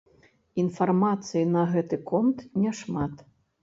Інфармацыі на гэты конт няшмат.